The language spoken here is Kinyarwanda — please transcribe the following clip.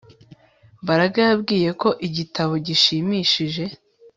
Mbaraga yambwiye ko igitabo gishimishije